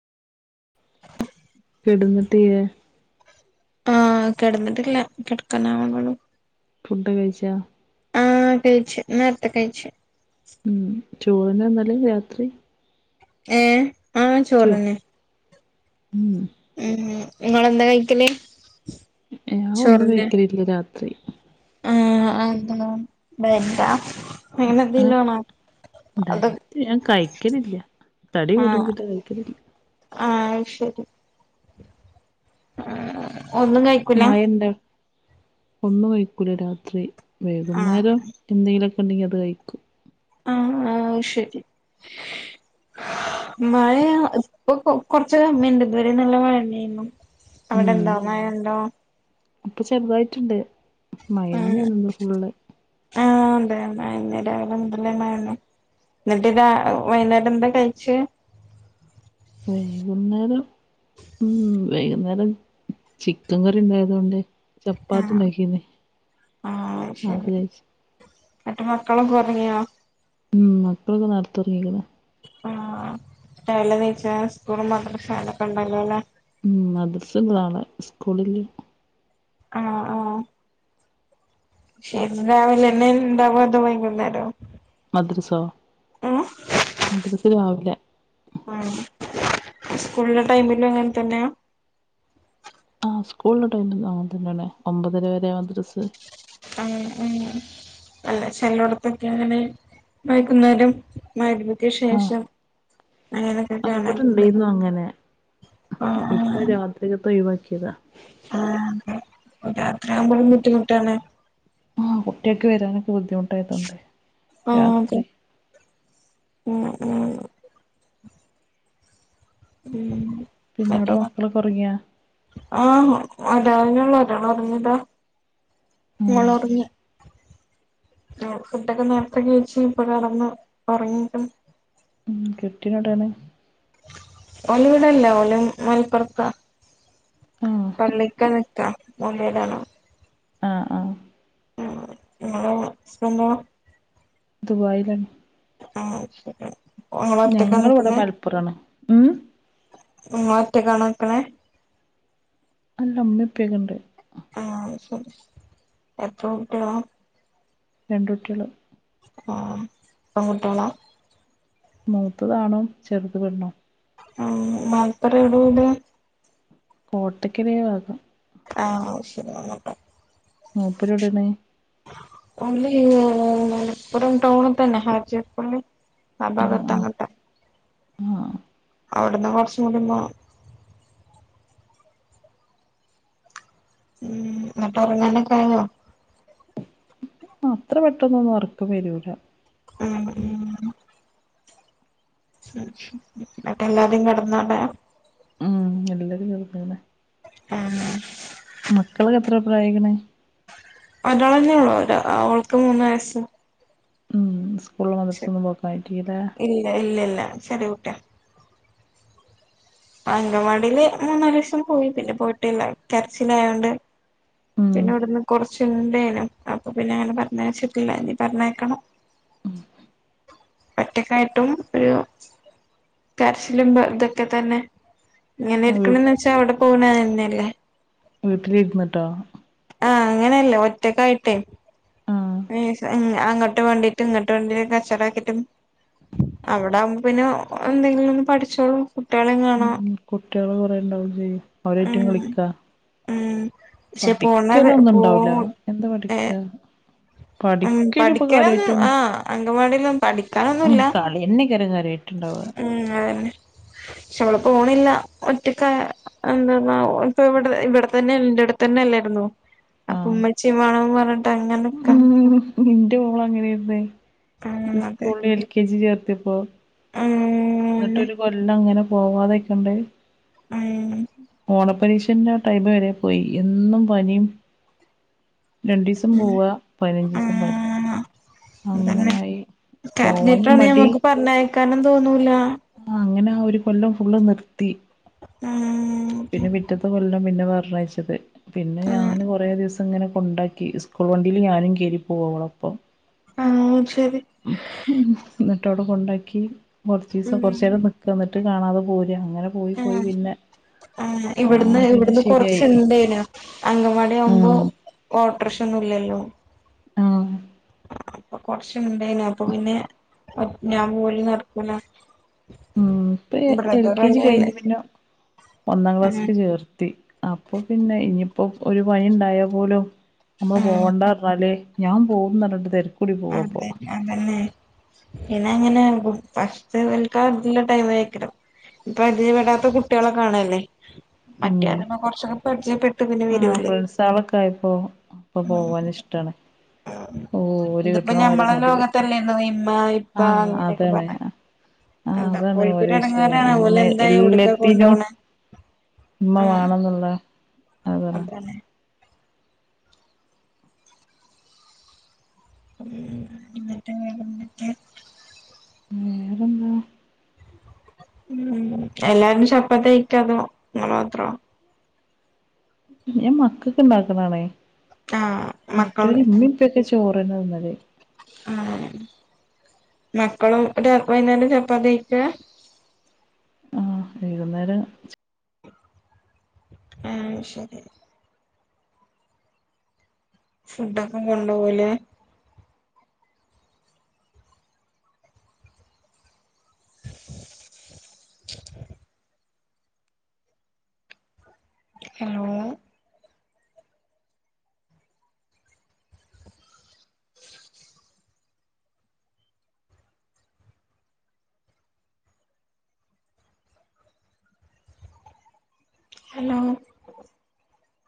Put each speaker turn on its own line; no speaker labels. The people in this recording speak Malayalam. കെട്ന്നിട്ട്ഇയ്യേ
ആഹ കേട്ന്നിട്ടില്ല കേട്ക്കാനാവ്ണോള്ളു
ഫുഡ് കഴിച്ചാ
ആ കഴിച്ച് നേർത്തെ കഴിച്ച്
ഉം ചോറിന്നെ തിന്നൽ രാത്രി
ഏഹ ആഹ
ചോ
ചോറേന്നെ
[unintelligible]
ഉം ഇങ്ങളെന്താ കഴിക്കല്
ഞാൻ ഒന്നും കഴിക്കലില്ല രാത്രി
ആ അ അതെന്താ ബ്രഡാ അങ്ങനെ
ഏഹ്
എന്തേലും ആണോ അത്
ഡയറ്റ് ഞാൻ കൈക്കണില്ല തടി കൂടും
ആഹ്
പിന്നെ കൈക്കണില്ല
ആഹ് അത് ശെരി ഉം ഒന്നും കൈ
മഴ ഇണ്ട ഒന്ന് പെയ്തിവടെ രാത്രി
ആഹ്
വൈകുന്നേരം എന്തെങ്കിലൊക്കെ ഉണ്ടെങ്കിൽ അത് കഴിക്കും.
ആഹ് ആഹ് അത് ശെരി മഴയാ ഇപ്പൊ കൊറച്ചു സമയമുണ്ട് ഇതുവരെ നല്ല മഴയായിരുന്നു. അവടെ ഇണ്ടോ, മഴണ്ടോ?
ഇപ്പ ചെറുതായിട്ട്ണ്ട്. മഴതന്നെന്ന് ഇന്ന് ഫുള്ള്.
വൈകുന്നേരം ആയാലും ഇതിലും മഴന്നെ എന്നട്ട് വൈന്നേരം എന്താ കഴിച്ചേ
വൈകുന്നേരം ഉം വൈകുന്നേരം ചിക്കൻ കറിണ്ടായത് കൊണ്ട് ചപ്പാത്തി
ആഹ്
ഉണ്ടാക്കിന്നെ,
ആഹ്
അത്
ശരി
കഴിച്ച്.
എന്നിട്ട് മക്കളൊക്കെ ഒറങ്ങിയോ?
ഉം മക്കള് ഇപ്പ നടത്തൊര്ങ്ങീക്ക്ണ്.
ആഹ്, രാവിലെ നീച്ച സ്കൂളും മദ്രസാ ളെക്കെ ഇണ്ടല്ലോലെ.
ഉം മദ്രസ്ണ്ട് നാളെ. സ്കൂളില്ല.
ആഹ് ആഹ് ശരി രാവിലെ തന്നെ ഇണ്ടാവോ അതോ വൈകുന്നേരോ
മദ്രസ്സൊ
ഉം
മദ്രസ്സ രാവിലെ
ഉം സ്കൂളിലെ ടൈമിലും അങ്ങനെ തന്നെയാ
ആഹ് സ്കൂളിലെ ടൈമിലും അങ്ങനെ തന്നെയാണ് ഒമ്പതര വരെയാ മദ്രസ്സ
ഉം ഉം അല്ല ചെലയിടത്തൊക്കെ ഇങ്ങനെ വൈകുന്നേരം മഗ്‌രിബ്ക്ക്
ആഹ്
ശേഷം അങ്ങനൊക്കെ
ആഹ് ഇവടെ
കാണലുണ്ട്
ഇണ്ടായിരുന്നു അങ്ങനെ
ആഹ്
ഇപ്പൊ
ആഹ്
രാത്രിക്കത്ത ഒഴിവാക്കിയതാ
ആഹ് അതേ രാത്രിയാവുമ്പോ ബുദ്ധിമുട്ടാണ്
ആഹ് കുട്ടിയൊക്കെ വരാനൊക്കെ ബുദ്ധിമു
ആഹ് അതെ ഉം ഉം ഉം
പിന്നെ അവടെ മക്കളൊക്കെ ഒറങ്ങിയ
ആഹ് ഉണ്ട് വല്ല്യോളതാ ഒർങ്ങീതാ.
ഉം
മോള് ഒറങ്ങിയ ആഹ് ഫുടൊക്കെ നേരത്തെ കഴിച്ച് ഇപ്പതാ എറങ്ങ് ഒറങ്ങീക്ക്ണ്.
ഉം കെട്ടിയൊന് ഒടേണ്
ഓല് ഇവടെല്ല ഓല് മലപ്പുറത്ത
ആഹ്
പള്ളിക്ക നിക്ക മോല്യരാണ്
ആഹ് ആഹ്
ഉം ഇങ്ങളോ ഹസ്ബന്റോ
ദുബായിലാണ്
ആഹ് ശരി ഇങ്ങള് ഒറ്റക്കാ
ഞങ്ങള് ഇവ്ടെ
നിക്കുന്നെ
മലപ്പുറ ആണ്. ഉം
ഉമ്മ ഒറ്റയ്ക്കാണോ നിക്കണേ
അല്ല ഉമ്മി ഉപ്പയൊക്കെ ഇണ്ട്.
ആഹ് അഹ് ശെരി എത്ര കുട്ടിളാ?
രണ്ട് കുട്ടിള്.
ആഹ് പെൺ കുട്ട്യാളാ
മൂത്തത് ആണും, ചെറുത് പെണ്ണും.
ആ മലപ്പുറം എവിടെ വീട്?
കോട്ടക്കൽ ഏഹ് ഭാഗം
ആഹ് അഹ് ശെരി അങ്ങട്ട
മൂപ്പര് എവിടെണ്?
മലപ്പുറം മലപ്പുറം ടൗൺതന്നെ ഹജ്ജ്യാ ർ പള്ളി [unintelligible]
ആഹ
അവിടുന്ന് കുറച്ചും കൂടി പോണം ഉം എന്നിട്ട് ഉറങ്ങന്നെ കഴിഞ്ഞോ
അത്ര പെട്ടെനന്നും ഉറക്കം വരൂല
[unintelligible] ഉ എന്നിട്ട് എല്ലാരും കിടന്നോടാ
ഉം എല്ലരും ചന്നന്നെ [unintelligible]
ആ [unintelligible]
മകൾക്ക് എത്ര പ്ര്രായായ്ക്ന്
ഒരാള് ഉള്ളൂ അവൾക്ക് മൂന്ന് വയസ്സ്
സ്കൂളിലും മദ്രാസിലും പോകായിട്ടില്ല ലെ
ഇല്ല ഇല്ല ഇല്ല ചെറിയക്കുട്ടി അങ്കവാടിയില് മൂന്നാല് ദിവസം പോയി പിന്നെ പോയിട്ടില്ല കരച്ചിലയോണ്ട്
ഉം
പിന്നെ ഇവിടുന്ന് കുറച്ണ്ടെയേനും അപ്പൊ പിന്നെ അങ്ങനെ പറഞ്ഞ വെച്ചിട്ടില്ല ഇനി പറഞ്ഞേക്കണം ഒറ്റക്കായീട്ടും ഒരു കരച്ചിലുംഇതൊക്കെ തന്നെ ഇങ്ങനെ
വീ
ഇരിക്കന്ന് വെച്ചാ അവിടെ പോകുന്ന അല്ലേ
വീട്ട്ലിരിന്ന്ട്ടോ
ആഹ് അങ്ങെനെല്ല ഒറ്റക്കായ്ട്ടേ
ആഹ്
ഏഹ് അങ്ങട്ട് മണ്ടീട്ടും ങ്ങെട്ട് മണ്ടീട്ട് കച്ചറാക്കീട്ടും അവടെ ആവുമ്പോ പിന്നെ എന്തെങ്കിലും ഒന്ന് പഠിച്ചോളും കുട്ട്യാളേം കാണാ
കുട്ട്യേള് കാെറേണ്ടാവുമ്പെ അവരായിറ്റും
ഉം
കളിക്കാ
ഉം പക്ഷെ പോന്നാ ബേ
പഠിക്കലൊന്നും
പോ
ഉണ്ടാവൂല
മു
എന്താ
ഏഹ്
പഠിക്കാ
ഉം
പഠിക്കല് ഇപ്പൊ
പഠിക്കാനൊന്നും
കാര്യായിട്ടൊന്നും
ആഹ് അങ്കൻവാടിയിലൊ
ഉം
പഠിക്കാനൊന്നുല്ലാ
കളിയന്നെക്കാരം കാര്യായിട്ടുണ്ടാവ
ഉം അതെന്നെ ക്ഷെ ഓള് പോണില്ല ഒറ്റക്കാ അത് എന്തപ്പോ ഓൾപ്പ വടെ ഇവടെ തന്നെൽ നിന്റെ അട്ത്തെന്നെല്ലേയ്ര്ന്നാേ അപ്പം
ആഹ്
ഉമ്മച്ചീം വാണം പർഞ്ഞിട്ട് അങ്ങനൊക്ക
നിന്റെ മോള് അങ്ങനൊയിരുന്നേ
ഉം അതെ
സ്കൂളിലെ എൽകെജി ചേർത്തിപ്പോ ന്നിട്ട്
അങ്ങനെ
ഒരു കൊല്ലം അങ്ങനെ പോവാതൊക്കണ്ട്
ഉം
ഓണ പരിക്ഷന്റെ തയ്ബ പെരേ പോയി എന്നും പനിം രണ്ടീസം പോവാ പയ്നഞ്ചീസം പന്യായി
ആഹ് അതന്നെ
അങ്ങെനായ് പോവാനും മടി
കനം തോന്നൂലാ
ആഹ് അങ്ങനാ ഒര് കൊല്ലം ഫുള്ള് നിർത്തി
ഉം
പിന്നെ പിറ്റെത്തെ കൊല്ലം പിന്നെ പർണ്ണയ്ച്ചത് പിന്നെ
ഉം
ഞാന് കൊറേ ദിവ്സം അങ്ങെനെക്കെണ്ടാക്കി സ്കൂൾ വണ്ടീല് ഞാനും കേരിപ്പോവോളെപ്പം
ആഹ് അത് ശെരി
ഉം ന്നട്ട് അവ്ടെ കൊണ്ടാക്കി കൊർച്ചീസം
ഉം
കൊർച്ചേരം ന് ക്ക ന്നട്ട് കാണാതെ പോരാ അങ്ങെനെ പോയ് പോയ്
ഉം
പിന്നെ
ആഹ് ഇവിട്ന്ന്
ആണ് പിന്നെ
ഇവിട്ന്ന് കൊർച്ച്
ശരിയായി
ഇണ്ടേനും അങ്കംവാടി ആവുമ്പോ
ഉം
ഓട്ടെർഷൊന്നും ഇല്ലല്ലോ
ആഹ്
അപ്പൊ കൊർച്ച് ഇണ്ടേനു അപ്പൊ പിന്നെ ഞാൻ പോവല് നടക്കൂലാ
ഉം ഇപ്പ എൽ കെ ജി കയ്ഞ്ഞ് പിന്നെ ഒന്നാം
ഉം
ക്ലാസ്ക് ചേർത്തി അപ്പൊ പിന്നെ ഇനിയിപ്പോ ഒരു പനിണ്ടായാ പോലും നമ്മള്
ഉം
പോകണ്ടാർഞ്ഞാല് ഞാൻ പോവുംന്നർഞ്ഞിട്ട് തെരകൂടി പോവു അപ്പോ
അതെന്നെ പിന്നെ അങ്ങെനെ ഫസ്റ്റ് ഇവൽക്കാതിന്റെ ടൈമെയ്കരം പരിചെയെപെടാത്ത കുട്ട്യാളെ കാണെല്ലേ
ഉം
മറ്റേന്നർഞ്ഞാപ്പൊ കൊർച്ചൊക്കെ പരിചയപ്പെട്ട് പിന്നെ
ആഹ്
വെരൂലേ
ഫ്രണ്ട്സാളൊക്കെ ട്ടാണ്
ഇതിപ്പോ ഞമ്മളും ആഹ്
മുടി കെട്ട
ലോകെത്തെന്നേര്ന്ന് ഇമ്മാ ഇ
ആഹ് അതെന്നെ ആഹ്
എന്താ
അതാണ് ഓലെ
ഓൽക്കൊരു
വിഷയം
എടങ്ങേറാണ്
ഇമ്മ
ഓലെന്താ എവിടക്കാ
എല്ലെത്തിനും
കൊണ്ടോണെ
ഇമ്മ വാണംന്ന്ള്ളെ
അതെന്നെ എന്നിട്ട് വേറെന്തൊക്കെ
വേറെന്താ
ഉം എല്ലാരും ചപ്പാത്തി കയ്ക്കാണോ ഇങ്ങള് മാത്രാണോ
ഞാൻ മക്കക്ക് ഇണ്ടാക്ക്ണാണേ
ആഹ്
മറ്റോല്
മക്കള്
ഇമ്മിം പ്പെക്കെ ചോറെന്നെ തിന്നെല്
ആഹ് മക്കളും ഒരു [unintelligible] ചപ്പാത്ത്യയ്ച്ചാ
ആഹ് വൈകുന്നേരം
ആഹ് അയ്ശെരി ഫുഡ്ഡാെക്കെ കൊണ്ടോവാേല് ഹലോ ഹെലോ